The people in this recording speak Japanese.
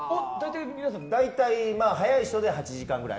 大体、速い人で８時間くらい。